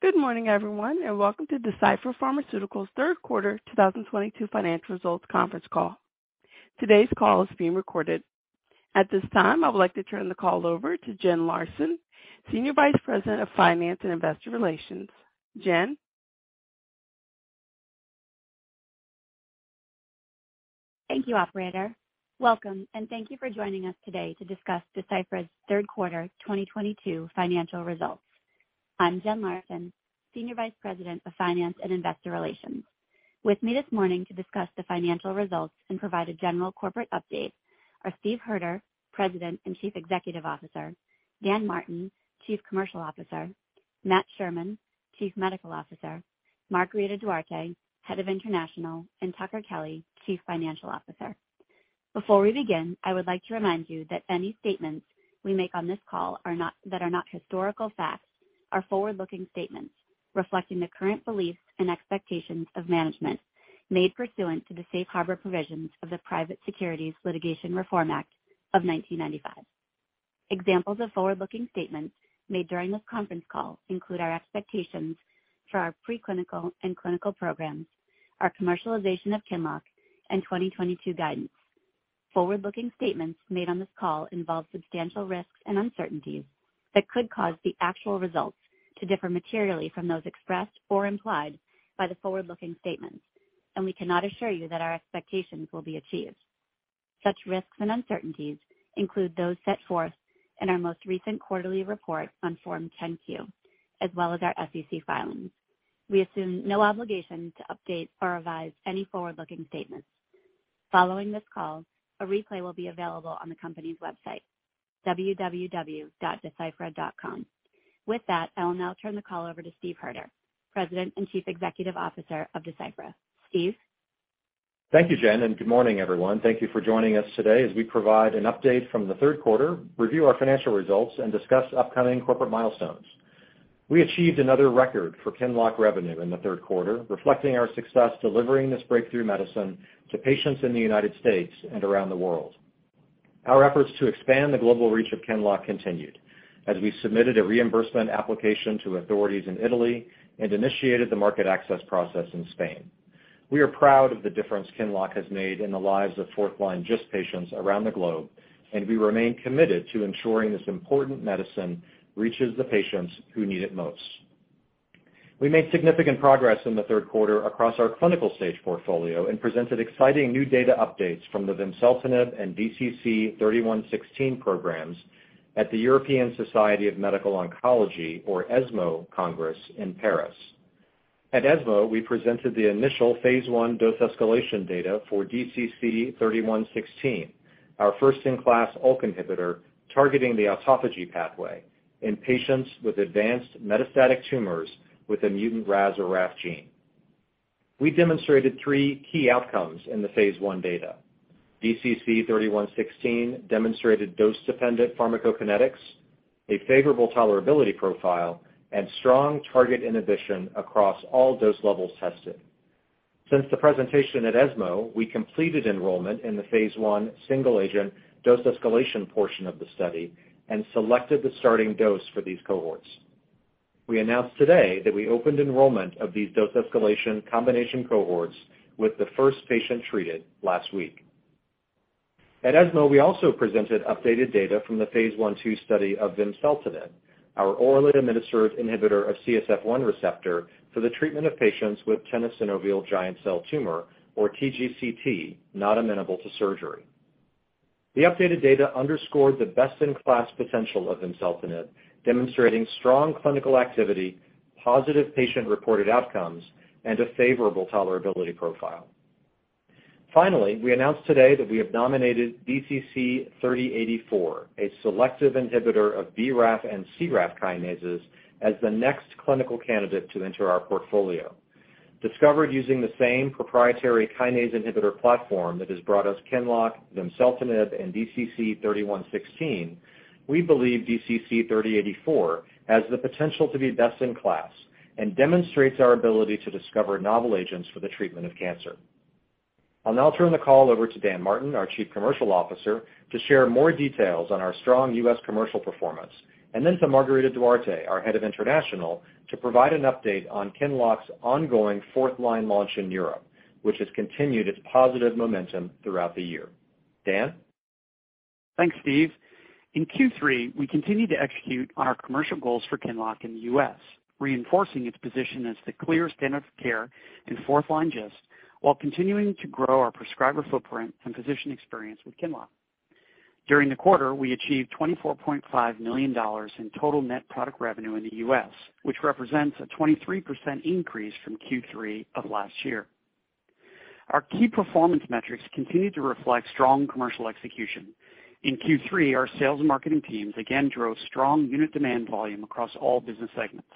Good morning everyone, and welcome to Deciphera Pharmaceuticals Third Quarter 2022 Financial Results Conference Call. Today's call is being recorded. At this time, I would like to turn the call over to Jennifer Larson, Senior Vice President of Finance and Investor Relations. Jen? Thank you, operator. Welcome, and thank you for joining us today to discuss Deciphera's third quarter 2022 financial results. I'm Jen Larson, Senior Vice President of Finance and Investor Relations. With me this morning to discuss the financial results and provide a general corporate update are Steve Hoerter, President and Chief Executive Officer, Dan Martin, Chief Commercial Officer, Matt Sherman, Chief Medical Officer, Margarida Duarte, Head of International, and Tucker Kelly, Chief Financial Officer. Before we begin, I would like to remind you that any statements we make on this call that are not historical facts are forward-looking statements reflecting the current beliefs and expectations of management made pursuant to the safe harbor provisions of the Private Securities Litigation Reform Act of 1995. Examples of forward-looking statements made during this conference call include our expectations for our pre-clinical and clinical programs, our commercialization of QINLOCK, and 2022 guidance. Forward-looking statements made on this call involve substantial risks and uncertainties that could cause the actual results to differ materially from those expressed or implied by the forward-looking statements, and we cannot assure you that our expectations will be achieved. Such risks and uncertainties include those set forth in our most recent quarterly report on Form 10-Q, as well as our SEC filings. We assume no obligation to update or revise any forward-looking statements. Following this call, a replay will be available on the company's website, www.deciphera.com. With that, I will now turn the call over to Steve Hoerter, President and Chief Executive Officer of Deciphera. Steve? Thank you, Jen, and good morning, everyone. Thank you for joining us today as we provide an update from the third quarter, review our financial results, and discuss upcoming corporate milestones. We achieved another record for QINLOCK revenue in the third quarter, reflecting our success delivering this breakthrough medicine to patients in the United States and around the world. Our efforts to expand the global reach of QINLOCK continued as we submitted a reimbursement application to authorities in Italy and initiated the market access process in Spain. We are proud of the difference QINLOCK has made in the lives of fourth-line GIST patients around the globe, and we remain committed to ensuring this important medicine reaches the patients who need it most. We made significant progress in the third quarter across our clinical stage portfolio and presented exciting new data updates from the vimseltinib and DCC 3116 programs at the European Society of Medical Oncology or ESMO Congress in Paris. At ESMO, we presented the initial phase I dose escalation data for DCC 3116, our first-in-class ULK inhibitor targeting the autophagy pathway in patients with advanced metastatic tumors with a mutant RAS or RAF gene. We demonstrated 3 key outcomes in the phase I data. DCC 3116 demonstrated dose-dependent pharmacokinetics, a favorable tolerability profile, and strong target inhibition across all dose levels tested. Since the presentation at ESMO, we completed enrollment in the phase I single agent dose escalation portion of the study and selected the starting dose for these cohorts. We announced today that we opened enrollment of these dose escalation combination cohorts with the first patient treated last week. At ESMO, we also presented updated data from the phase I/II study of vimseltinib, our orally administered inhibitor of CSF1 receptor for the treatment of patients with tenosynovial giant cell tumor or TGCT, not amenable to surgery. The updated data underscored the best-in-class potential of vimseltinib, demonstrating strong clinical activity, positive patient-reported outcomes, and a favorable tolerability profile. Finally, we announced today that we have nominated DCC 3084, a selective inhibitor of BRAF and CRAF kinases, as the next clinical candidate to enter our portfolio. Discovered using the same proprietary kinase inhibitor platform that has brought us QINLOCK, vimseltinib, and DCC 3116, we believe DCC 3084 has the potential to be best in class and demonstrates our ability to discover novel agents for the treatment of cancer. I'll now turn the call over to Dan Martin, our Chief Commercial Officer, to share more details on our strong U.S. commercial performance, and then to Margarida Duarte, our Head of International, to provide an update on QINLOCK's ongoing fourth-line launch in Europe, which has continued its positive momentum throughout the year. Dan? Thanks, Steve. In Q3, we continued to execute on our commercial goals for QINLOCK in the US, reinforcing its position as the clear standard of care in fourth-line GIST, while continuing to grow our prescriber footprint and physician experience with QINLOCK. During the quarter, we achieved $24.5 million in total net product revenue in the US, which represents a 23% increase from Q3 of last year. Our key performance metrics continued to reflect strong commercial execution. In Q3, our sales and marketing teams again drove strong unit demand volume across all business segments.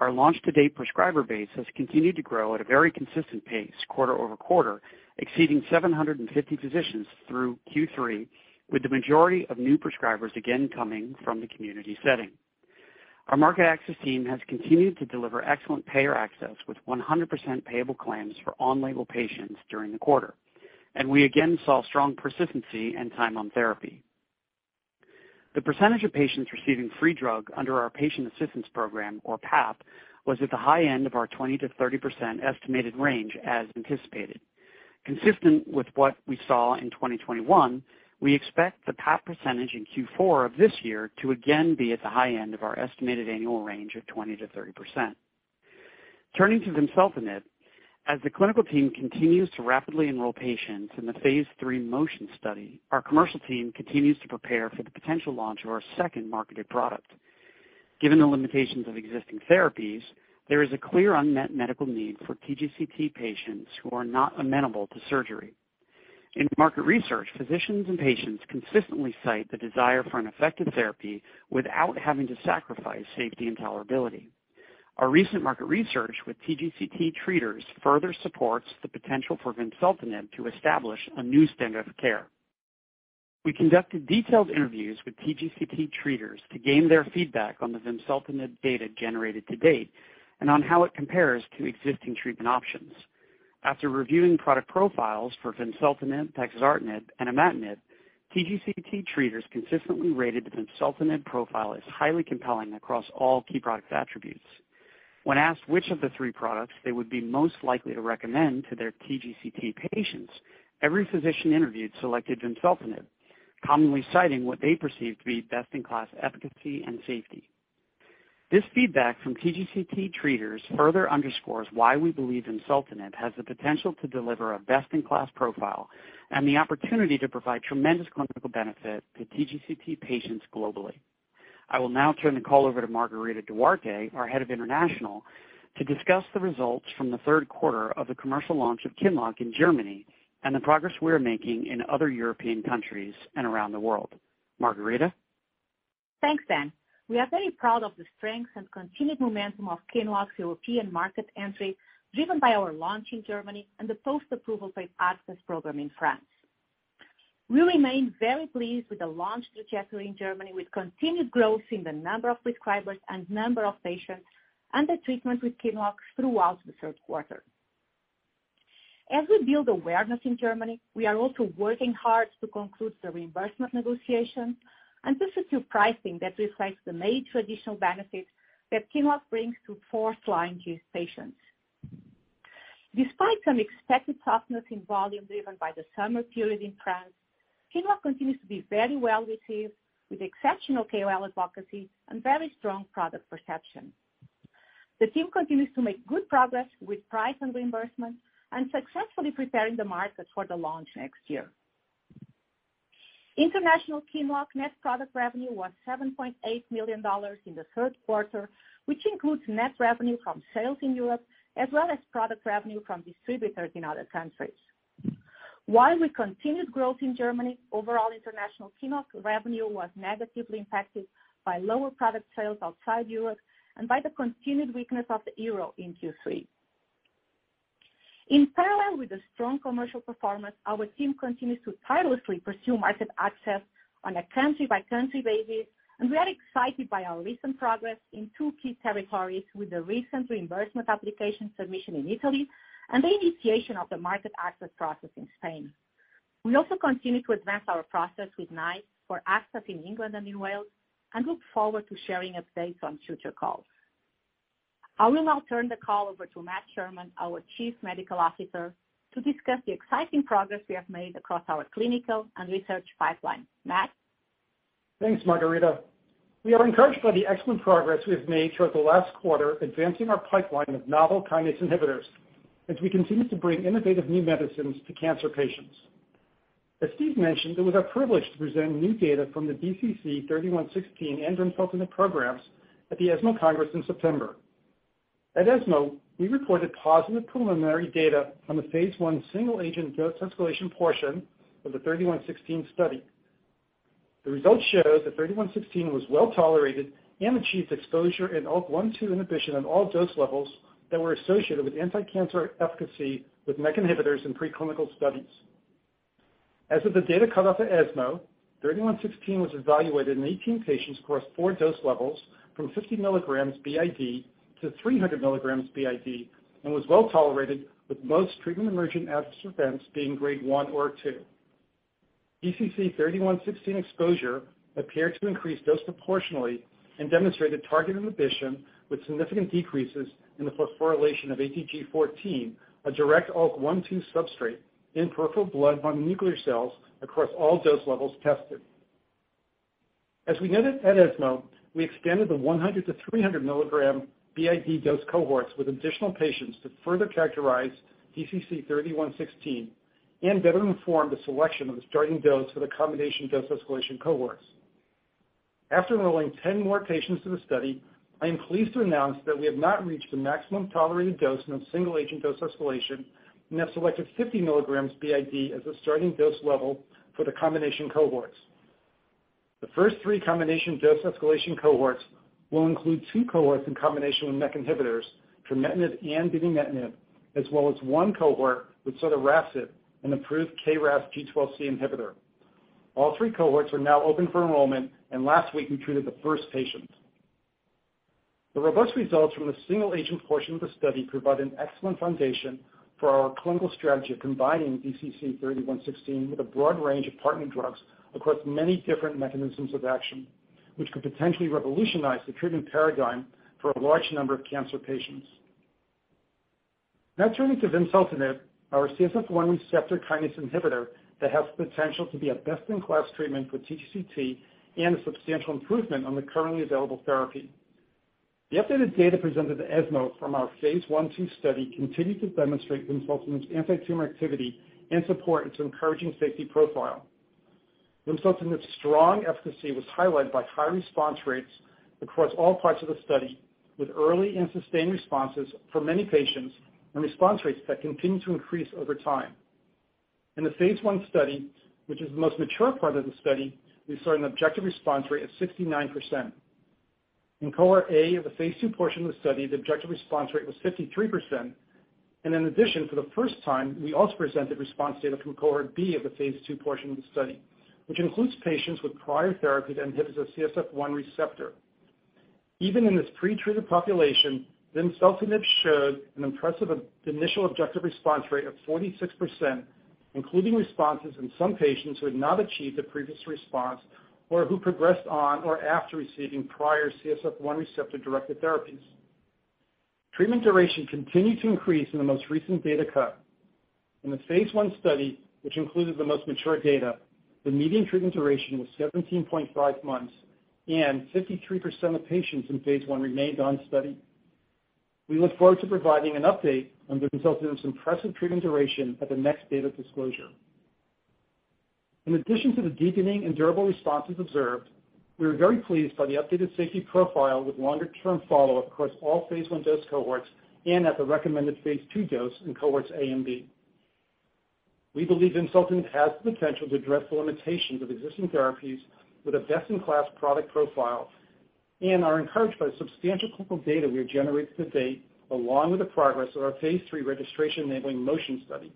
Our launch to date prescriber base has continued to grow at a very consistent pace quarter-over-quarter, exceeding 750 physicians through Q3, with the majority of new prescribers again coming from the community setting. Our market access team has continued to deliver excellent payer access with 100% payable claims for on-label patients during the quarter. We again saw strong persistency and time on therapy. The percentage of patients receiving free drug under our patient assistance program, or PAP, was at the high end of our 20%-30% estimated range as anticipated. Consistent with what we saw in 2021, we expect the PAP percentage in Q4 of this year to again be at the high end of our estimated annual range of 20%-30%. Turning to vimseltinib, as the clinical team continues to rapidly enroll patients in the phase III MOTION study, our commercial team continues to prepare for the potential launch of our second marketed product. Given the limitations of existing therapies, there is a clear unmet medical need for TGCT patients who are not amenable to surgery. In market research, physicians and patients consistently cite the desire for an effective therapy without having to sacrifice safety and tolerability. Our recent market research with TGCT treaters further supports the potential for vimseltinib to establish a new standard of care. We conducted detailed interviews with TGCT treaters to gain their feedback on the vimseltinib data generated to date and on how it compares to existing treatment options. After reviewing product profiles for vimseltinib, pexidartinib, and imatinib, TGCT treaters consistently rated the vimseltinib profile as highly compelling across all key product attributes. When asked which of the three products they would be most likely to recommend to their TGCT patients, every physician interviewed selected vimseltinib, commonly citing what they perceived to be best-in-class efficacy and safety. This feedback from TGCT treaters further underscores why we believe vimseltinib has the potential to deliver a best-in-class profile and the opportunity to provide tremendous clinical benefit to TGCT patients globally. I will now turn the call over to Margarida Duarte, our head of international, to discuss the results from the third quarter of the commercial launch of QINLOCK in Germany and the progress we are making in other European countries and around the world. Margarida? Thanks, Dan. We are very proud of the strength and continued momentum of QINLOCK's European market entry, driven by our launch in Germany and the post-approval paid access program in France. We remain very pleased with the launch trajectory in Germany, with continued growth in the number of prescribers and number of patients under treatment with QINLOCK throughout the third quarter. As we build awareness in Germany, we are also working hard to conclude the reimbursement negotiations and pursue pricing that reflects the major additional benefits that QINLOCK brings to fourth-line use patients. Despite some expected softness in volume driven by the summer period in France, QINLOCK continues to be very well received with exceptional KOL advocacy and very strong product perception. The team continues to make good progress with price and reimbursement and successfully preparing the market for the launch next year. International QINLOCK net product revenue was $7.8 million in the third quarter, which includes net revenue from sales in Europe as well as product revenue from distributors in other countries. While we continued growth in Germany, overall international QINLOCK revenue was negatively impacted by lower product sales outside Europe and by the continued weakness of the euro in Q3. In parallel with the strong commercial performance, our team continues to tirelessly pursue market access on a country-by-country basis, and we are excited by our recent progress in two key territories with the recent reimbursement application submission in Italy and the initiation of the market access process in Spain. We also continue to advance our process with NICE for access in England and Wales and look forward to sharing updates on future calls. I will now turn the call over to Matt Sherman, our Chief Medical Officer, to discuss the exciting progress we have made across our clinical and research pipeline. Matt? Thanks, Margarida. We are encouraged by the excellent progress we have made throughout the last quarter advancing our pipeline of novel kinase inhibitors as we continue to bring innovative new medicines to cancer patients. As Steve mentioned, it was our privilege to present new data from the DCC-3116 and vimseltinib programs at the ESMO Congress in September. At ESMO, we reported positive preliminary data on the phase I single-agent dose escalation portion of the DCC-3116 study. The results show that DCC-3116 was well tolerated and achieved exposure in ULK1/2 inhibition on all dose levels that were associated with anticancer efficacy with MEK inhibitors in preclinical studies. As of the data cut off at ESMO, DCC-3116 was evaluated in 18 patients across four dose levels from 50 mg BID-300 mg BID and was well tolerated, with most treatment emergent adverse events being grade 1 or 2. DCC-3116 exposure appeared to increase dose proportionally and demonstrated targeted inhibition with significant decreases in the phosphorylation of ATG14, a direct ULK1/2 substrate in peripheral blood mononuclear cells across all dose levels tested. As we noted at ESMO, we expanded the 100 mg BID-300 mg BID dose cohorts with additional patients to further characterize DCC-3116 and better inform the selection of the starting dose for the combination dose escalation cohorts. After enrolling 10 more patients to the study, I am pleased to announce that we have not reached the maximum tolerated dose in a single-agent dose escalation and have selected 50 milligrams BID as a starting dose level for the combination cohorts. The first three combination dose escalation cohorts will include two cohorts in combination with MEK inhibitors, trametinib and binimetinib, as well as one cohort with sotorasib, an approved KRAS G12C inhibitor. All three cohorts are now open for enrollment, and last week we treated the first patient. The robust results from the single-agent portion of the study provide an excellent foundation for our clinical strategy of combining DCC-3116 with a broad range of partner drugs across many different mechanisms of action, which could potentially revolutionize the treatment paradigm for a large number of cancer patients. Now turning to vimseltinib, our CSF1 receptor kinase inhibitor that has the potential to be a best-in-class treatment for TGCT and a substantial improvement on the currently available therapy. The updated data presented at ESMO from phase I/II study continued to demonstrate vimseltinib's antitumor activity and support its encouraging safety profile. vimseltinib's strong efficacy was highlighted by high response rates across all parts of the study, with early and sustained responses for many patients and response rates that continue to increase over time. In the phase I study, which is the most mature part of the study, we saw an objective response rate of 69%. In Cohort A of the phase II portion of the study, the objective response rate was 53%. In addition, for the first time, we also presented response data from Cohort B of the phase II portion of the study, which includes patients with prior therapy that inhibits a CSF1 receptor. Even in this pre-treated population, vimseltinib showed an impressive initial objective response rate of 46%, including responses in some patients who had not achieved a previous response or who progressed on or after receiving prior CSF1 receptor-directed therapies. Treatment duration continued to increase in the most recent data cut. In the phase I study, which included the most mature data, the median treatment duration was 17.5 months, and 53% of patients in phase I remained on study. We look forward to providing an update on the vimseltinib's impressive treatment duration at the next data disclosure. In addition to the deepening and durable responses observed, we were very pleased by the updated safety profile with longer-term follow-up across all phase I dose cohorts and at the recommended phase II dose in Cohorts A and B. We believe vimseltinib has the potential to address the limitations of existing therapies with a best-in-class product profile and are encouraged by substantial clinical data we have generated to date, along with the progress of our phase III registration-enabling MOTION study.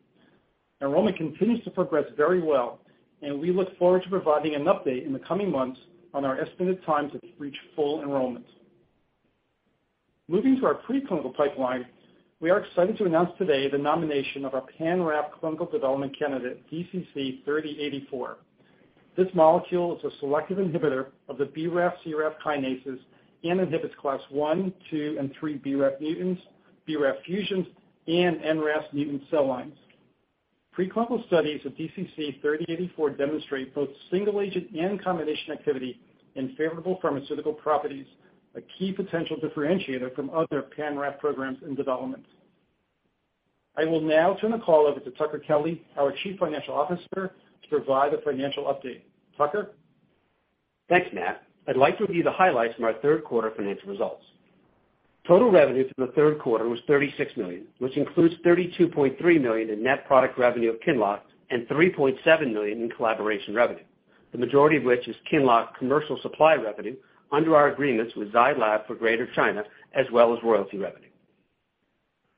Enrollment continues to progress very well, and we look forward to providing an update in the coming months on our estimated times to reach full enrollment. Moving to our preclinical pipeline, we are excited to announce today the nomination of our pan-RAF clinical development candidate, DCC-3084. This molecule is a selective inhibitor of the BRAF, CRAF kinases and inhibits Class 1, 2, and 3 BRAF mutants, BRAF fusions, and NRAS mutant cell lines. Preclinical studies of DCC-3084 demonstrate both single-agent and combination activity and favorable pharmaceutical properties, a key potential differentiator from other pan-RAF programs in development. I will now turn the call over to Tucker Kelly, our chief financial officer, to provide the financial update. Tucker? Thanks, Matt. I'd like to review the highlights from our third quarter financial results. Total revenue for the third quarter was $36 million, which includes $32.3 million in net product revenue of QINLOCK and $3.7 million in collaboration revenue, the majority of which is QINLOCK commercial supply revenue under our agreements with Zai Lab for Greater China, as well as royalty revenue.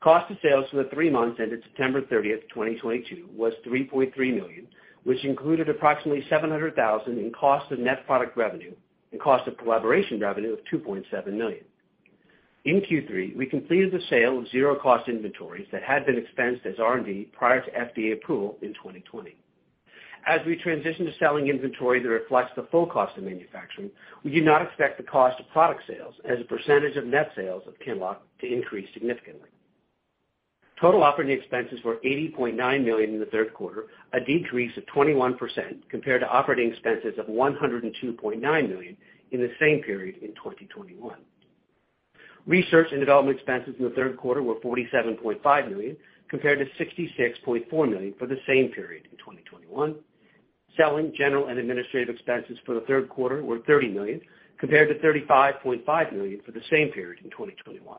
Cost of sales for the three months ended September 30, 2022 was $3.3 million, which included approximately $700,000 in cost of net product revenue and cost of collaboration revenue of $2.7 million. In Q3, we completed the sale of zero cost inventories that had been expensed as R&D prior to FDA approval in 2020. As we transition to selling inventory that reflects the full cost of manufacturing, we do not expect the cost of product sales as a percentage of net sales of QINLOCK to increase significantly. Total operating expenses were $80.9 million in the third quarter, a decrease of 21% compared to operating expenses of $102.9 million in the same period in 2021. Research and development expenses in the third quarter were $47.5 million, compared to $66.4 million for the same period in 2021. Selling, general, and administrative expenses for the third quarter were $30 million, compared to $35.5 million for the same period in 2021.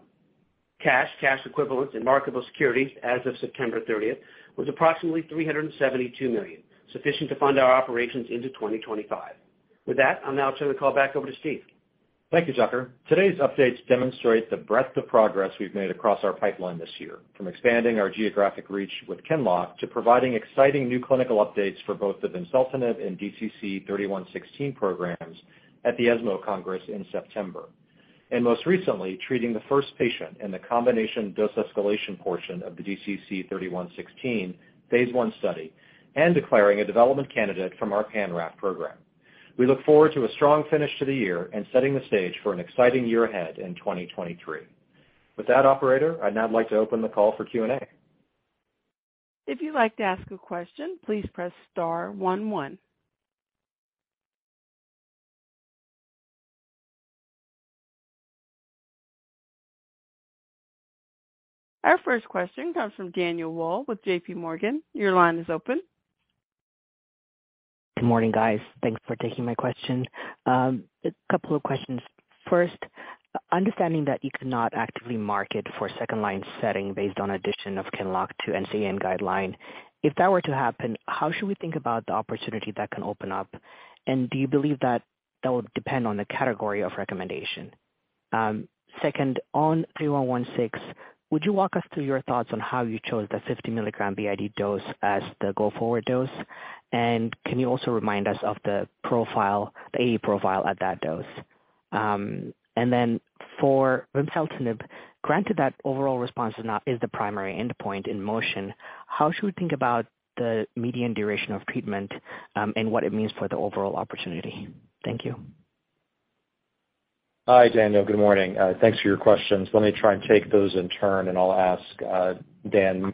Cash, cash equivalents, and marketable securities as of September 30 was approximately $372 million, sufficient to fund our operations into 2025. With that, I'll now turn the call back over to Steve. Thank you, Tucker. Today's updates demonstrate the breadth of progress we've made across our pipeline this year, from expanding our geographic reach with QINLOCK to providing exciting new clinical updates for both the vimseltinib and DCC-3116 programs at the ESMO Congress in September, and most recently, treating the first patient in the combination dose escalation portion of the DCC-3116 phase I study and declaring a development candidate from our pan-RAF program. We look forward to a strong finish to the year and setting the stage for an exciting year ahead in 2023. With that, operator, I'd now like to open the call for Q&A. If you'd like to ask a question, please press star one one. Our first question comes from Daniel Wu with JP Morgan. Your line is open. Good morning, guys. Thanks for taking my question. A couple of questions. First, understanding that you could not actively market for second-line setting based on addition of QINLOCK to NCCN guideline, if that were to happen, how should we think about the opportunity that can open up? And do you believe that that will depend on the category of recommendation? Second, on DCC-3116, would you walk us through your thoughts on how you chose the 50 milligram BID dose as the go-forward dose? Can you also remind us of the profile, the AE profile at that dose? For vimseltinib, granted that overall response is the primary endpoint in MOTION, how should we think about the median duration of treatment, and what it means for the overall opportunity? Thank you. Hi, Daniel. Good morning. Thanks for your questions. Let me try and take those in turn, and I'll ask Dan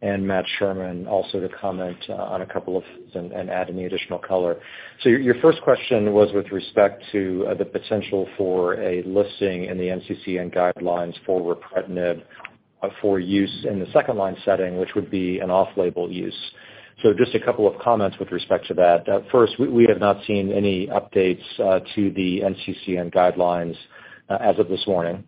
and Matt Sherman also to comment on a couple of and add any additional color. Your first question was with respect to the potential for a listing in the NCCN guidelines for ripretinib for use in the second-line setting, which would be an off-label use. Just a couple of comments with respect to that. First, we have not seen any updates to the NCCN guidelines as of this morning.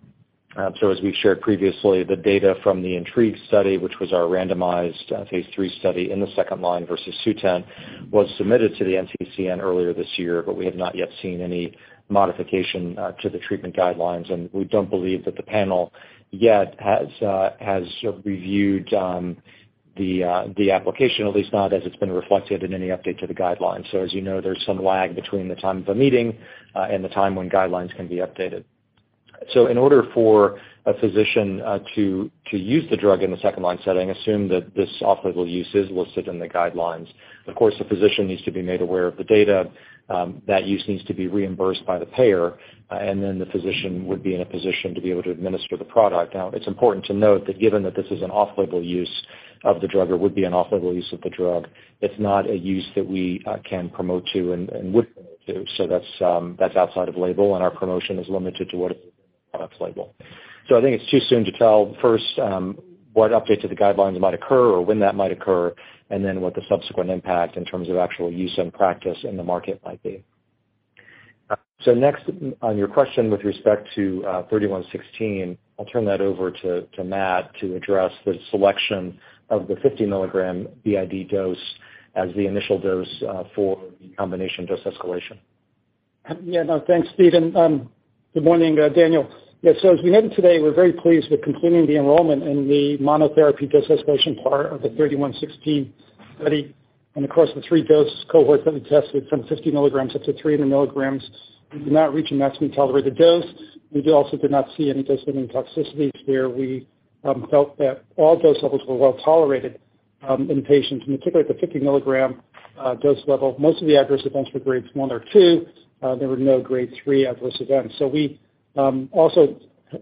As we've shared previously, the data from the INTRIGUE study, which was our randomized phase III study in the second line versus Sutent, was submitted to the NCCN earlier this year, but we have not yet seen any modification to the treatment guidelines, and we don't believe that the panel yet has reviewed the application, at least not as it's been reflected in any update to the guidelines. As you know, there's some lag between the time of the meeting and the time when guidelines can be updated. In order for a physician to use the drug in the second line setting, assume that this off-label use is listed in the guidelines. Of course, the physician needs to be made aware of the data that use needs to be reimbursed by the payer, and then the physician would be in a position to be able to administer the product. Now, it's important to note that given that this is an off-label use of the drug or would be an off-label use of the drug, it's not a use that we can promote to and would promote to. So that's outside of label, and our promotion is limited to what is product's label. So I think it's too soon to tell first what updates to the guidelines might occur or when that might occur, and then what the subsequent impact in terms of actual use and practice in the market might be. Next on your question with respect to DCC-3116, I'll turn that over to Matt to address the selection of the 50 milligram BID dose as the initial dose for the combination dose escalation. Yeah. No. Thanks, Steve, and good morning, Daniel. Yeah, so as we noted today, we're very pleased with completing the enrollment in the monotherapy dose escalation part of the 3116 study. Of course, the three-dose cohort that we tested from 50 milligrams up to 300 milligrams did not reach a maximum tolerated dose. We also did not see any dose-limiting toxicities there. We felt that all dose levels were well tolerated in patients, in particular the 50 milligram dose level. Most of the adverse events were grades 1 or 2. There were no grade 3 adverse events. We also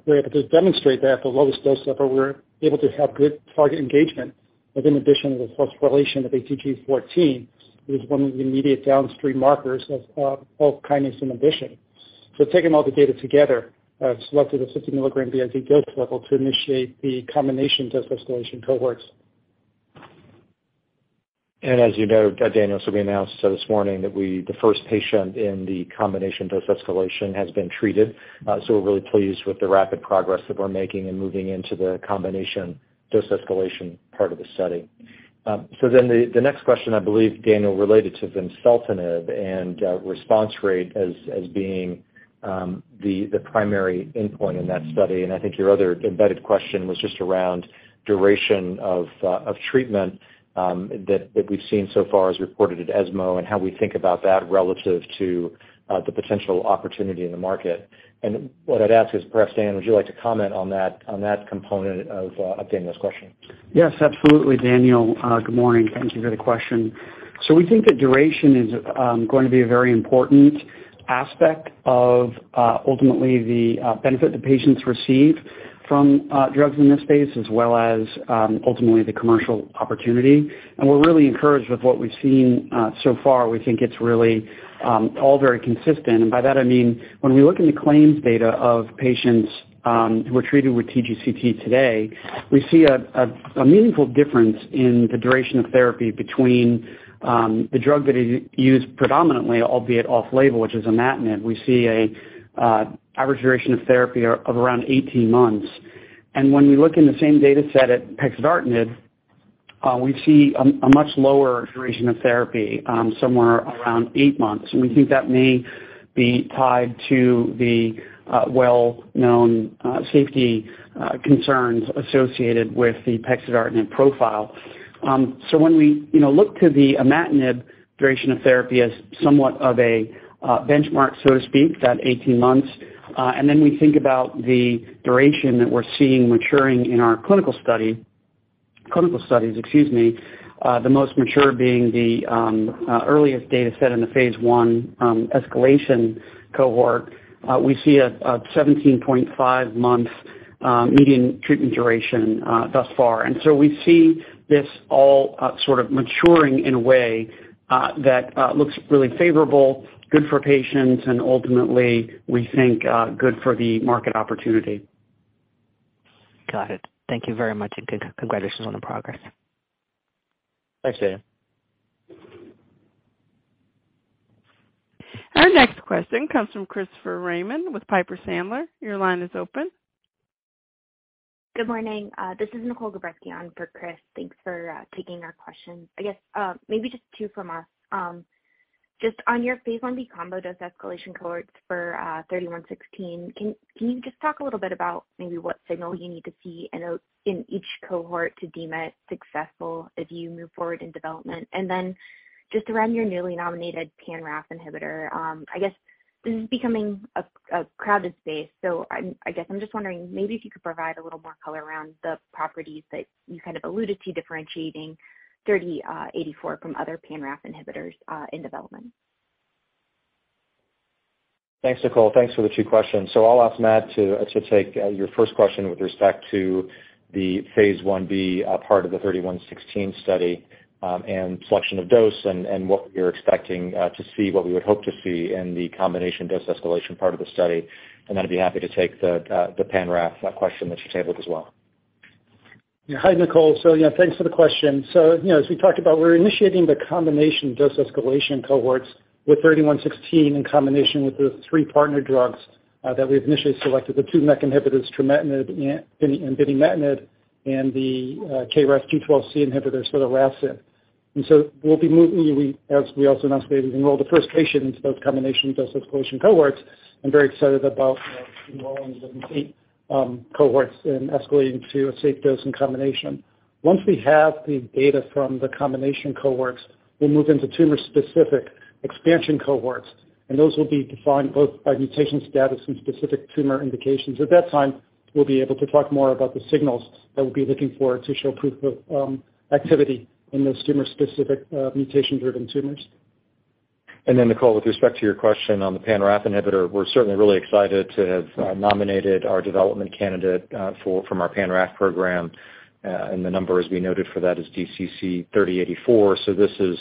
were able to demonstrate that at the lowest dose level, we were able to have good target engagement with inhibition of the phosphorylation of ATG14. It is one of the immediate downstream markers of ULK kinase inhibition. Taking all the data together, selected a 50 milligram BID dose level to initiate the combination dose escalation cohorts. As you know, Daniel, we announced this morning that the first patient in the combination dose escalation has been treated. We're really pleased with the rapid progress that we're making in moving into the combination dose escalation part of the study. Then the next question, I believe, Daniel, related to vimseltinib and response rate as being the primary endpoint in that study. I think your other embedded question was just around duration of treatment that we've seen so far as reported at ESMO, and how we think about that relative to the potential opportunity in the market. What I'd ask is perhaps, Dan, would you like to comment on that component of Daniel's question? Yes, absolutely, Daniel. Good morning. Thank you for the question. We think that duration is going to be a very important aspect of ultimately the benefit the patients receive from drugs in this space, as well as ultimately the commercial opportunity. We're really encouraged with what we've seen so far. We think it's really all very consistent. By that I mean, when we look in the claims data of patients who are treated with TGCT today, we see a meaningful difference in the duration of therapy between the drug that is used predominantly, albeit off label, which is imatinib. We see an average duration of therapy of around 18 months. When we look in the same dataset at pexidartinib, we see a much lower duration of therapy, somewhere around 8 months. We think that may be tied to the well-known safety concerns associated with the pexidartinib profile. When we, you know, look to the imatinib duration of therapy as somewhat of a benchmark, so to speak, that 18 months, and then we think about the duration that we're seeing maturing in our clinical studies, the most mature being the earliest dataset in the phase I escalation cohort, we see a 17.5-month median treatment duration thus far. We see this all sort of maturing in a way that looks really favorable, good for patients, and ultimately, we think, good for the market opportunity. Got it. Thank you very much, and congratulations on the progress. Thanks, Daniel. Our next question comes from Christopher Raymond with Piper Sandler. Your line is open. Good morning. This is Nicole Gabreski on for Chris. Thanks for taking our questions. I guess maybe just two from us. Just on phase I-B combo dose escalation cohorts for 3116, can you just talk a little bit about maybe what signal you need to see in each cohort to deem it successful as you move forward in development? Then just around your newly nominated pan-RAF inhibitor, I guess this is becoming a crowded space, so I'm just wondering, maybe if you could provide a little more color around the properties that you kind of alluded to differentiating 3084 from other pan-RAF inhibitors in development. Thanks, Nicole. Thanks for the two questions. I'll ask Matt to take your first question with respect to phase I-B part of the 3116 study, and selection of dose and what we're expecting to see, what we would hope to see in the combination dose escalation part of the study. Then I'd be happy to take the pan-RAF question that you tabled as well. Yeah. Hi, Nicole. Yeah, thanks for the question. You know, as we talked about, we're initiating the combination dose escalation cohorts with 3116 in combination with the three partner drugs that we initially selected, the 2 MEK inhibitors, trametinib and binimetinib, and the KRAS G12C inhibitor, sotorasib. As we also announced today, we enrolled the first patients in both combination dose escalation cohorts. I'm very excited about, you know, enrolling the complete cohorts and escalating to a safe dose in combination. Once we have the data from the combination cohorts, we'll move into tumor-specific expansion cohorts, and those will be defined both by mutation status and specific tumor indications. At that time, we'll be able to talk more about the signals that we'll be looking for to show proof of activity in those tumor-specific mutation-driven tumors. Then Nicole, with respect to your question on the pan-RAF inhibitor, we're certainly really excited to have nominated our development candidate from our pan-RAF program, and the number as we noted for that is DCC-3084. This is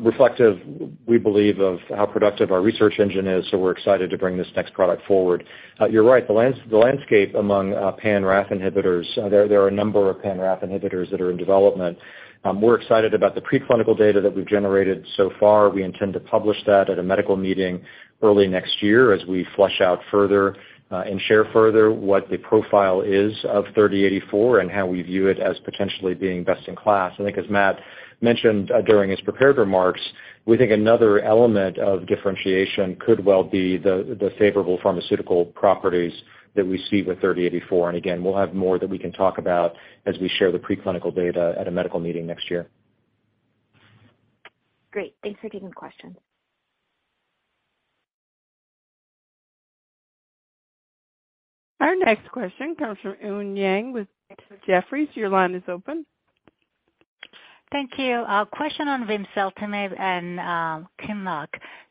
reflective, we believe, of how productive our research engine is, so we're excited to bring this next product forward. You're right. The landscape among pan-RAF inhibitors, there are a number of pan-RAF inhibitors that are in development. We're excited about the preclinical data that we've generated so far. We intend to publish that at a medical meeting early next year as we flesh out further and share further what the profile is of 3084 and how we view it as potentially being best in class. I think as Matt mentioned, during his prepared remarks, we think another element of differentiation could well be the favorable pharmaceutical properties that we see with DCC-3084. Again, we'll have more that we can talk about as we share the preclinical data at a medical meeting next year. Great. Thanks for taking the question. Our next question comes from Eun Yang with Jefferies. Your line is open. Thank you. Question on vimseltinib and QINLOCK.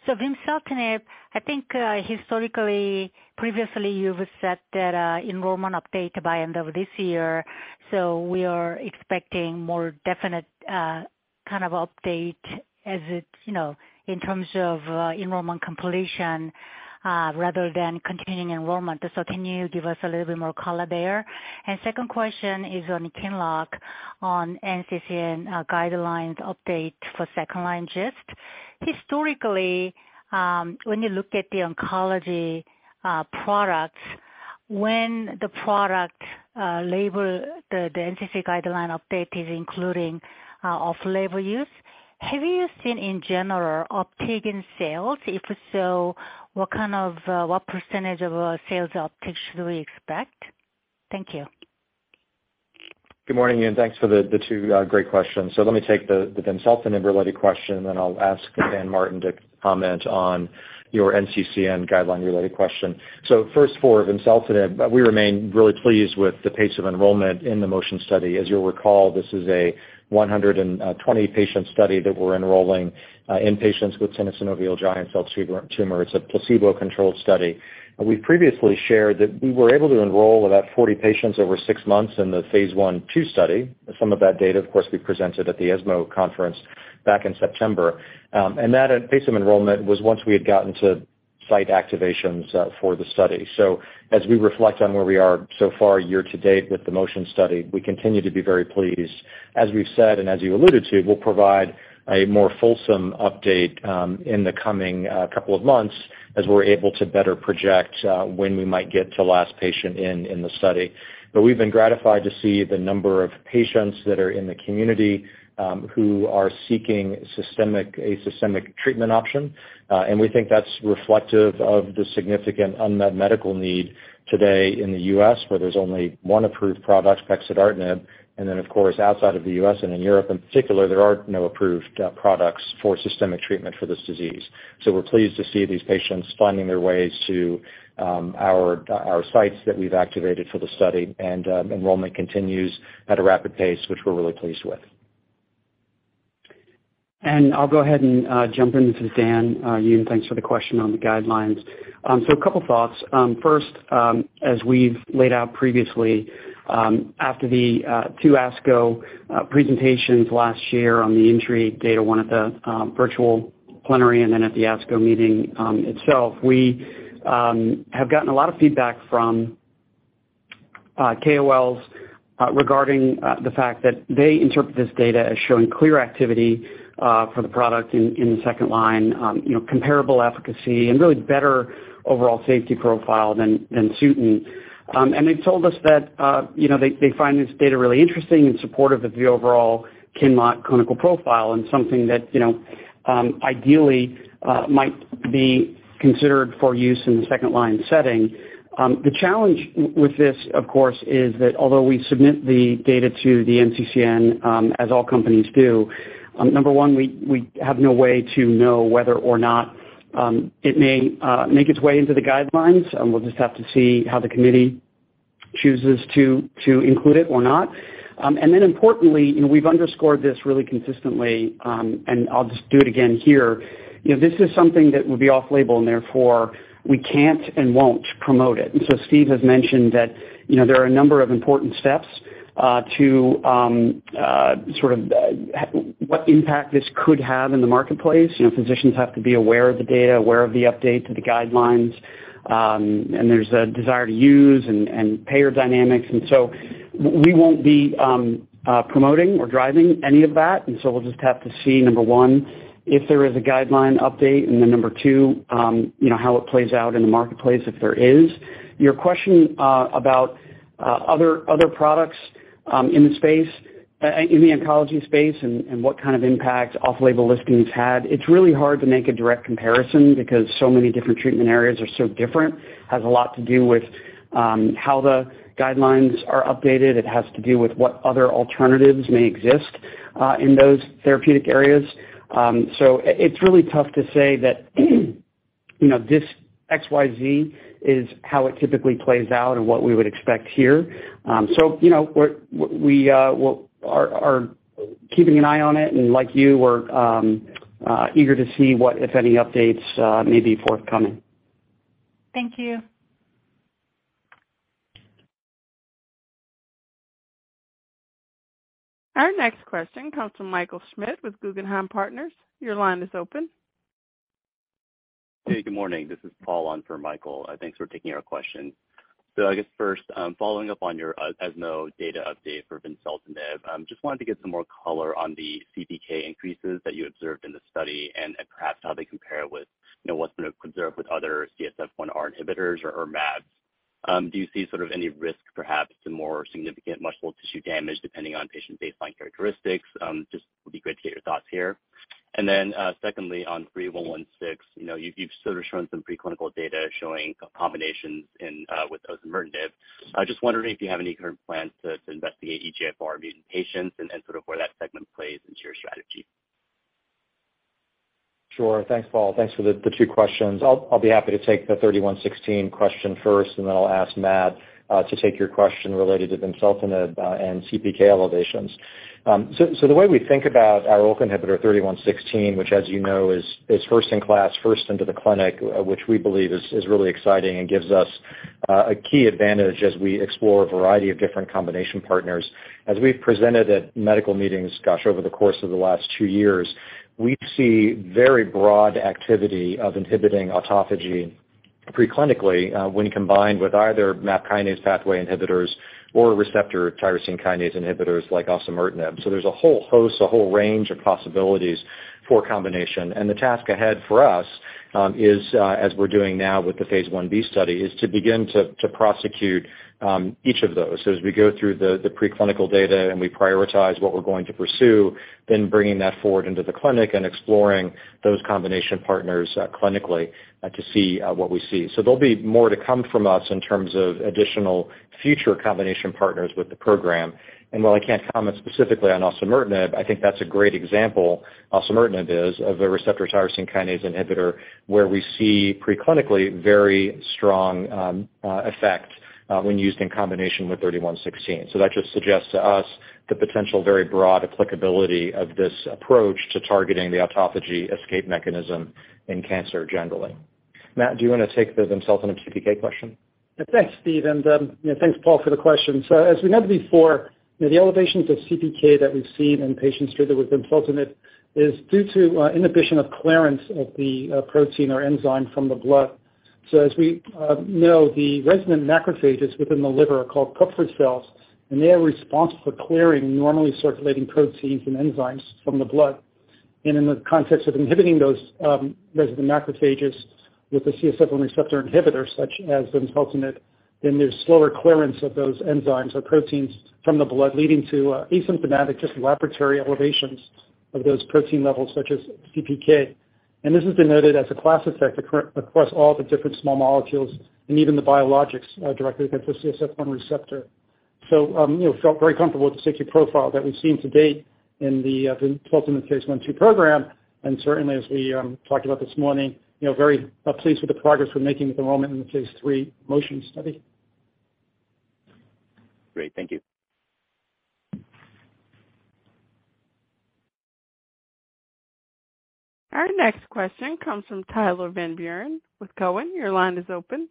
Vimseltinib, I think, historically, previously, you've said that enrollment update by end of this year, so we are expecting more definite kind of update as it's, you know, in terms of enrollment completion rather than continuing enrollment. Can you give us a little bit more color there? Second question is on QINLOCK on NCCN guidelines update for second-line GIST. Historically, when you look at the oncology products, when the product label the NCCN guideline update is including off-label use, have you seen in general uptake in sales? If so, what kind of what percentage of sales uptake should we expect? Thank you. Good morning, Eun. Thanks for the two great questions. Let me take the vimseltinib-related question, then I'll ask Dan Martin to comment on your NCCN guideline-related question. First for vimseltinib, we remain really pleased with the pace of enrollment in the MOTION Study. As you'll recall, this is a 120-patient study that we're enrolling in patients with tenosynovial giant cell tumor. It's a placebo-controlled study. We've previously shared that we were able to enroll about 40 patients over six months in the phase I/II study. Some of that data, of course, we presented at the ESMO conference back in September. That pace of enrollment was once we had gotten to site activations for the study. As we reflect on where we are so far year to date with the MOTION Study, we continue to be very pleased. As we've said, and as you alluded to, we'll provide a more fulsome update in the coming couple of months as we're able to better project when we might get to last patient in the study. We've been gratified to see the number of patients that are in the community who are seeking a systemic treatment option, and we think that's reflective of the significant unmet medical need today in the U.S., where there's only one approved product, pexidartinib, and then of course, outside of the U.S. and in Europe in particular, there are no approved products for systemic treatment for this disease. We're pleased to see these patients finding their ways to our sites that we've activated for the study, and enrollment continues at a rapid pace, which we're really pleased with. I'll go ahead and jump into Dan. Eun, thanks for the question on the guidelines. So a couple thoughts. First, as we've laid out previously, after the two ASCO presentations last year on the INTRIGUE data, one at the virtual plenary and then at the ASCO meeting itself, we have gotten a lot of feedback from KOLs. Regarding the fact that they interpret this data as showing clear activity for the product in the second line, you know, comparable efficacy and really better overall safety profile than Sutent. They've told us that, you know, they find this data really interesting and supportive of the overall QINLOCK clinical profile and something that, you know, ideally might be considered for use in the second line setting. The challenge with this, of course, is that although we submit the data to the NCCN, as all companies do, number one, we have no way to know whether or not it may make its way into the guidelines, and we'll just have to see how the committee chooses to include it or not. Then importantly, you know, we've underscored this really consistently, and I'll just do it again here. You know, this is something that would be off label and therefore we can't and won't promote it. Steve has mentioned that, you know, there are a number of important steps to sort of what impact this could have in the marketplace. You know, physicians have to be aware of the data, aware of the update to the guidelines, and there's a desire to use and payer dynamics. We won't be promoting or driving any of that. We'll just have to see, number one, if there is a guideline update, and then number two, you know, how it plays out in the marketplace if there is. Your question about other products in the space in the oncology space and what kind of impact off-label listings had. It's really hard to make a direct comparison because so many different treatment areas are so different, has a lot to do with how the guidelines are updated. It has to do with what other alternatives may exist in those therapeutic areas. It's really tough to say that, you know, this XYZ is how it typically plays out and what we would expect here. You know, we're keeping an eye on it, and like you, we're eager to see what, if any, updates may be forthcoming. Thank you. Our next question comes from Michael Schmidt with Guggenheim Partners. Your line is open. Hey, good morning. This is Paul on for Michael. Thanks for taking our question. I guess first, following up on your ESMO data update for vimseltinib, just wanted to get some more color on the CPK increases that you observed in the study and perhaps how they compare with, you know, what's been observed with other CSF1R inhibitors or MABs. Do you see sort of any risk perhaps to more significant muscle tissue damage depending on patient baseline characteristics? Just would be great to get your thoughts here. Secondly, on 3116, you know, you've sort of shown some pre-clinical data showing combinations with osimertinib. I just wondering if you have any current plans to investigate EGFR mutant patients and sort of where that segment plays into your strategy. Sure. Thanks, Paul. Thanks for the two questions. I'll be happy to take the DCC-3116 question first, and then I'll ask Matt to take your question related to vimseltinib and CPK elevations. The way we think about our ULK inhibitor DCC-3116, which as you know is first in class, first into the clinic, which we believe is really exciting and gives us a key advantage as we explore a variety of different combination partners. As we've presented at medical meetings, gosh, over the course of the last two years, we see very broad activity of inhibiting autophagy pre-clinically, when combined with either MAP kinase pathway inhibitors or receptor tyrosine kinase inhibitors like osimertinib. There's a whole host, a whole range of possibilities for combination. The task ahead for us is as we're doing now with phase I-B study, is to begin to prosecute each of those. As we go through the preclinical data and we prioritize what we're going to pursue, then bringing that forward into the clinic and exploring those combination partners clinically to see what we see. There'll be more to come from us in terms of additional future combination partners with the program. While I can't comment specifically on osimertinib, I think that's a great example, osimertinib is of a receptor tyrosine kinase inhibitor where we see preclinical very strong effect when used in combination with 3116. That just suggests to us the potential very broad applicability of this approach to targeting the autophagy escape mechanism in cancer generally. Matt, do you wanna take the vimseltinib CPK question? Thanks, Steve, and, you know, thanks, Paul, for the question. As we noted before, you know, the elevations of CPK that we've seen in patients treated with vimseltinib is due to, inhibition of clearance of the, protein or enzyme from the blood. As we know, the resident macrophages within the liver are called Kupffer cells, and they are responsible for clearing normally circulating proteins and enzymes from the blood. In the context of inhibiting those, resident macrophages with the CSF1 receptor inhibitor such as vimseltinib, then there's slower clearance of those enzymes or proteins from the blood leading to, asymptomatic, just laboratory elevations of those protein levels such as CPK. This is denoted as a class effect across all the different small molecules and even the biologics, directed against the CSF1 receptor. You know, felt very comfortable with the safety profile that we've seen to date in the phase I/II program. Certainly as we talked about this morning, you know, very pleased with the progress we're making at the moment in the phase III MOTION study. Great. Thank you. Our next question comes from Tyler Van Buren with Cowen. Your line is open.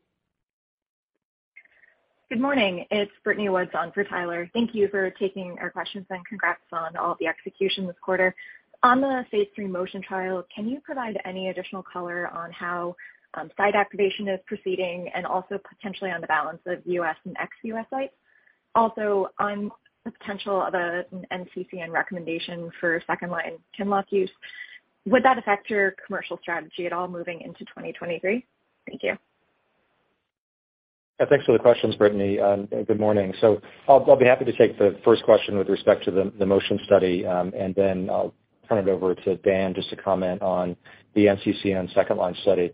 Good morning. It's Brittany Woods on for Tyler. Thank you for taking our questions, and congrats on all the execution this quarter. On the phase III MOTION trial, can you provide any additional color on how site activation is proceeding and also potentially on the balance of U.S. and ex-U.S. sites? Also on the potential of a NCCN recommendation for second-line QINLOCK use, would that affect your commercial strategy at all moving into 2023? Thank you. Yeah, thanks for the questions, Brittany. Good morning. I'll be happy to take the first question with respect to the MOTION study, and then I'll turn it over to Dan just to comment on the NCCN second line study.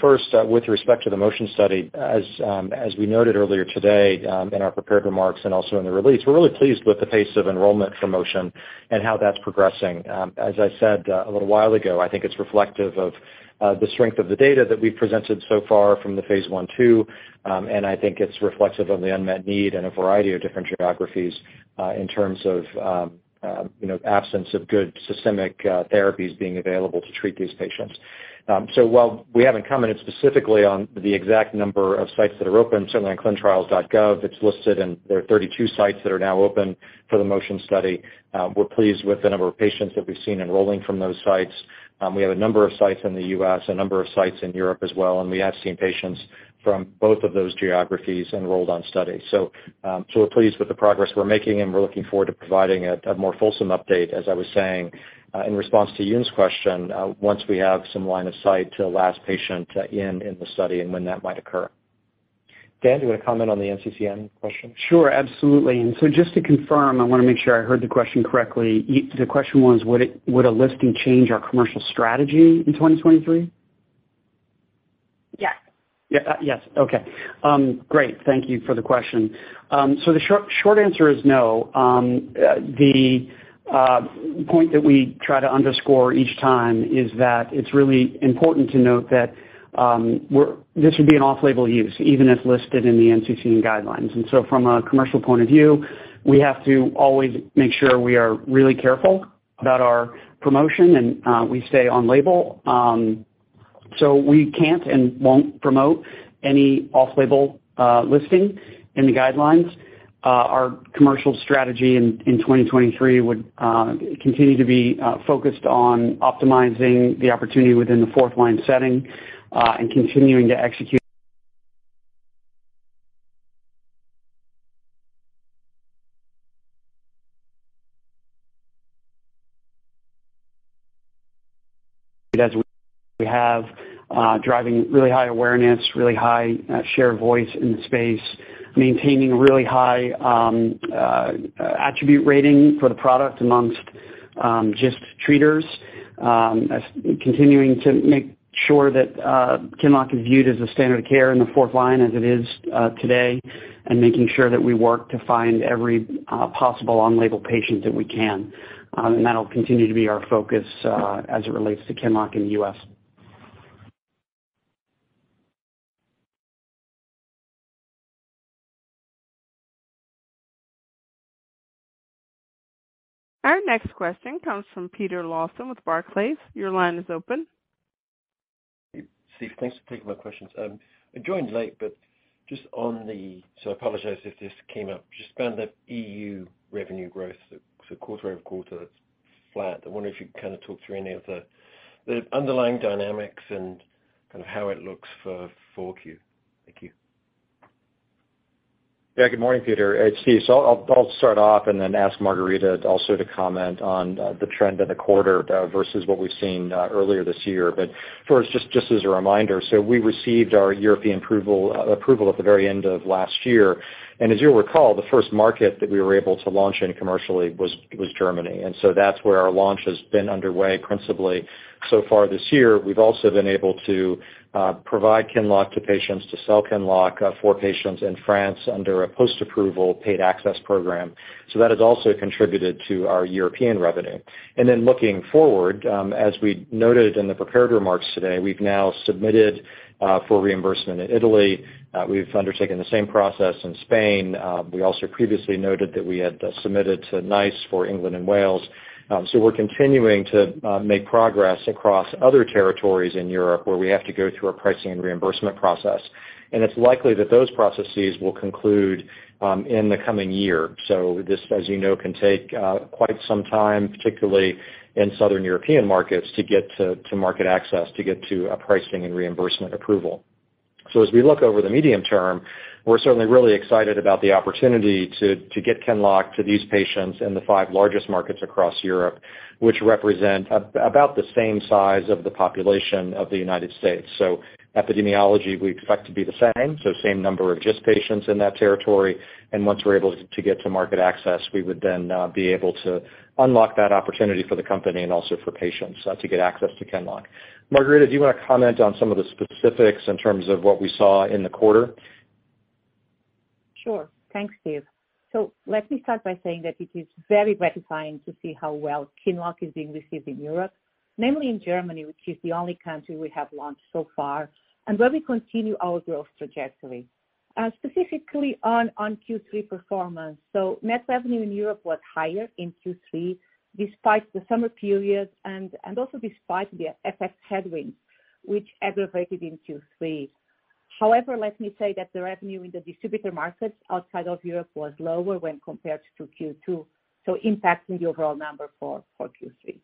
First, with respect to the MOTION study, as we noted earlier today, in our prepared remarks and also in the release, we're really pleased with the pace of enrollment for MOTION and how that's progressing. As I said a little while ago, I think it's reflective of the strength of the data that we've presented so far from the phase I, II, and I think it's reflective of the unmet need in a variety of different geographies, in terms of, you know, absence of good systemic therapies being available to treat these patients. While we haven't commented specifically on the exact number of sites that are open, certainly on ClinicalTrials.gov, it's listed and there are 32 sites that are now open for the MOTION study. We're pleased with the number of patients that we've seen enrolling from those sites. We have a number of sites in the U.S., a number of sites in Europe as well, and we have seen patients from both of those geographies enrolled on study. We're pleased with the progress we're making, and we're looking forward to providing a more fulsome update, as I was saying, in response to Eun's question, once we have some line of sight to last patient in the study and when that might occur. Dan, do you want to comment on the NCCN question? Sure, absolutely. Just to confirm, I wanna make sure I heard the question correctly. The question was, would a listing change our commercial strategy in 2023? Yes. Thank you for the question. The short answer is no. The point that we try to underscore each time is that it's really important to note that this would be an off-label use even if listed in the NCCN guidelines. From a commercial point of view, we have to always make sure we are really careful about our promotion and we stay on label. We can't and won't promote any off-label listing in the guidelines. Our commercial strategy in 2023 would continue to be focused on optimizing the opportunity within the fourth line setting and continuing to execute, driving really high awareness, really high share of voice in the space, maintaining really high attribute rating for the product among GIST treaters, continuing to make sure that QINLOCK is viewed as a standard of care in the fourth line as it is today, and making sure that we work to find every possible on-label patient that we can. That'll continue to be our focus as it relates to QINLOCK in the US. Our next question comes from Peter Lawson with Barclays. Your line is open. Steve, thanks for taking my questions. I joined late, but I apologize if this came up. Just around the EU revenue growth. Quarter-over-quarter, it's flat. I wonder if you can kind of talk through any of the underlying dynamics and kind of how it looks for 4Q. Thank you. Yeah, good morning, Peter. It's Steve. I'll start off and then askMargarida also to comment on the trend in the quarter versus what we've seen earlier this year. First, just as a reminder, we received our European approval at the very end of last year. As you'll recall, the first market that we were able to launch in commercially was Germany. That's where our launch has been underway principally so far this year. We've also been able to provide QINLOCK to patients, to sell QINLOCK for patients in France under a post-approval paid access program. That has also contributed to our European revenue. Looking forward, as we noted in the prepared remarks today, we've now submitted for reimbursement in Italy. We've undertaken the same process in Spain. We also previously noted that we had submitted to NICE for England and Wales. We're continuing to make progress across other territories in Europe where we have to go through a pricing and reimbursement process. It's likely that those processes will conclude in the coming year. This, as you know, can take quite some time, particularly in southern European markets, to get to market access, to get to a pricing and reimbursement approval. As we look over the medium term, we're certainly really excited about the opportunity to get QINLOCK to these patients in the five largest markets across Europe, which represent about the same size of the population of the United States. Epidemiology we expect to be the same number of GIST patients in that territory. Once we're able to get to market access, we would then be able to unlock that opportunity for the company and also for patients to get access to QINLOCK.Margarida, do you wanna comment on some of the specifics in terms of what we saw in the quarter? Sure. Thanks, Steve. Let me start by saying that it is very gratifying to see how well QINLOCK is being received in Europe, mainly in Germany, which is the only country we have launched so far, and where we continue our growth trajectory. Specifically on Q3 performance, so net revenue in Europe was higher in Q3 despite the summer period and also despite the FX headwinds which aggravated in Q3. However, let me say that the revenue in the distributor markets outside of Europe was lower when compared to Q2, so impacting the overall number for Q3.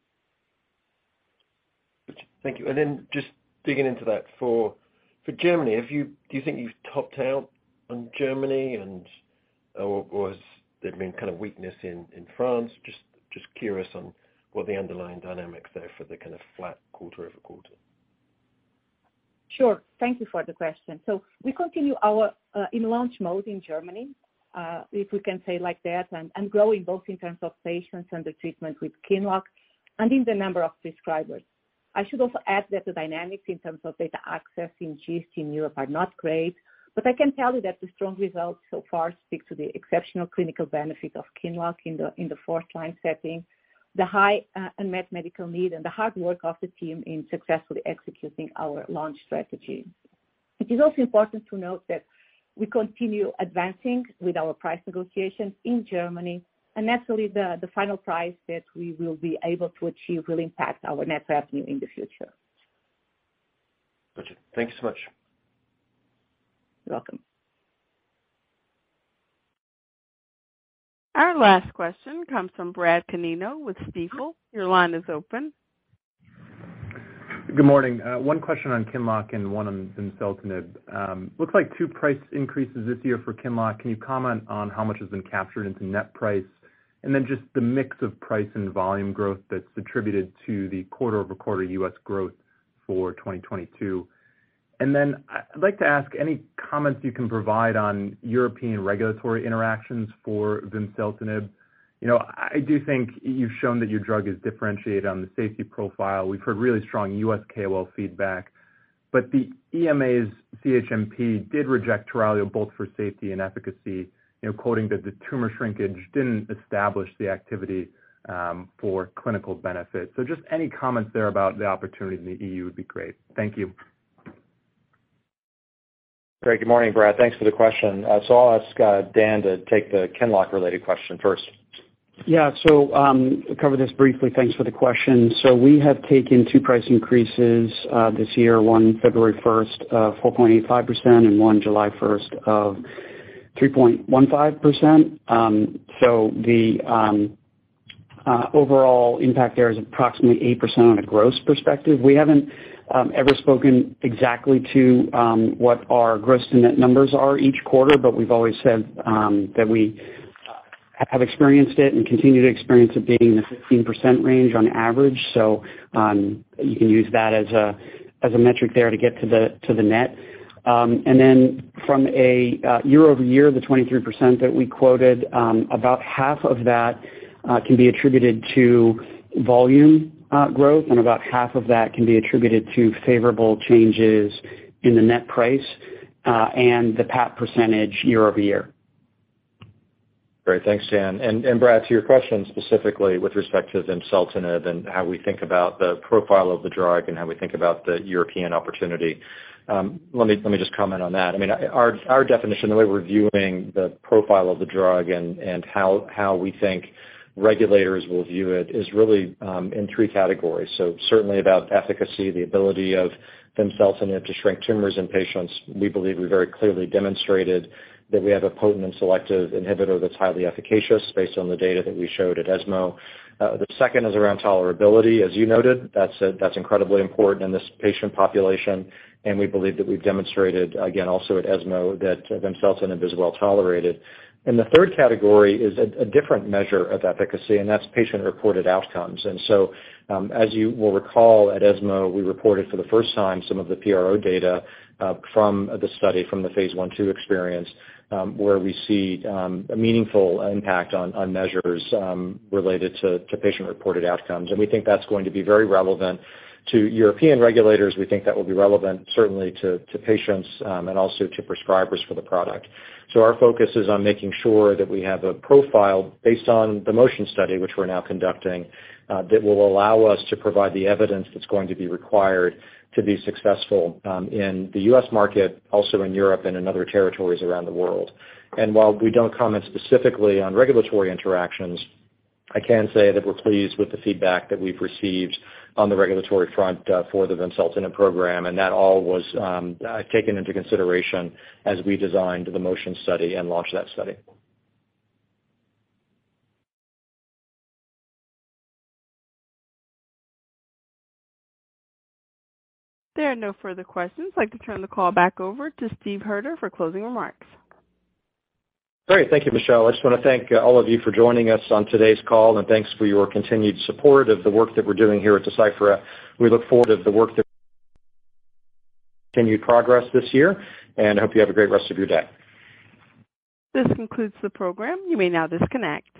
Thank you. Just digging into that. For Germany, do you think you've topped out on Germany and/or has there been kind of weakness in France? Just curious on what the underlying dynamics there for the kind of flat quarter-over-quarter. Sure. Thank you for the question. We continue our in launch mode in Germany, if we can say like that, and growing both in terms of patients under treatment with QINLOCK and in the number of prescribers. I should also add that the dynamics in terms of data access in GIST in Europe are not great, but I can tell you that the strong results so far speak to the exceptional clinical benefit of QINLOCK in the fourth line setting, the high unmet medical need and the hard work of the team in successfully executing our launch strategy. It is also important to note that we continue advancing with our price negotiations in Germany, and naturally the final price that we will be able to achieve will impact our net revenue in the future. Gotcha. Thank you so much. You're welcome. Our last question comes from Bradley Canino with Stifel. Your line is open. Good morning. One question on QINLOCK and one on vimseltinib. Looks like two price increases this year for QINLOCK. Can you comment on how much has been captured into net price? And then just the mix of price and volume growth that's attributed to the quarter-over-quarter U.S. growth for 2022. And then I'd like to ask any comments you can provide on European regulatory interactions for vimseltinib. You know, I do think you've shown that your drug is differentiated on the safety profile. We've heard really strong U.S. KOL feedback, but the EMA's CHMP did reject TURALIO both for safety and efficacy, you know, quoting that the tumor shrinkage didn't establish the activity for clinical benefit. So just any comments there about the opportunity in the E.U. would be great. Thank you. Great. Good morning, Brad. Thanks for the question. I'll ask Dan to take the QINLOCK related question first. Yeah. Cover this briefly. Thanks for the question. We have taken two price increases this year, one February 1st of 4.85% and one July 1st of 3.15%. The overall impact there is approximately 8% on a gross perspective. We haven't ever spoken exactly to what our gross to net numbers are each quarter, but we've always said that we have experienced it and continue to experience it being in the 16% range on average. You can use that as a metric there to get to the net. From a year-over-year, the 23% that we quoted, about half of that can be attributed to volume growth, and about half of that can be attributed to favorable changes in the net price, and the PAP percentage year-over-year. Great. Thanks, Dan. Brad, to your question specifically with respect to vimseltinib and how we think about the profile of the drug and how we think about the European opportunity, let me just comment on that. I mean, our definition, the way we're viewing the profile of the drug and how we think regulators will view it is really in three categories. Certainly about efficacy, the ability of vimseltinib to shrink tumors in patients. We believe we very clearly demonstrated that we have a potent and selective inhibitor that's highly efficacious based on the data that we showed at ESMO. The second is around tolerability. As you noted, that's incredibly important in this patient population, and we believe that we've demonstrated again also at ESMO, that vimseltinib is well tolerated. The third category is a different measure of efficacy, and that's patient reported outcomes. As you will recall, at ESMO, we reported for the first time some of the PRO data from the study from the phase I-II experience, where we see a meaningful impact on measures related to patient reported outcomes. We think that's going to be very relevant to European regulators. We think that will be relevant certainly to patients and also to prescribers for the product. Our focus is on making sure that we have a profile based on the MOTION study, which we're now conducting, that will allow us to provide the evidence that's going to be required to be successful in the U.S. market, also in Europe and in other territories around the world. While we don't comment specifically on regulatory interactions, I can say that we're pleased with the feedback that we've received on the regulatory front for the vimseltinib program, and that all was taken into consideration as we designed the MOTION study and launched that study. There are no further questions. I'd like to turn the call back over to Steve Hoerter for closing remarks. Great. Thank you, Michelle. I just wanna thank all of you for joining us on today's call, and thanks for your continued support of the work that we're doing here at Deciphera. We look forward to continued progress this year, and I hope you have a great rest of your day. This concludes the program. You may now disconnect.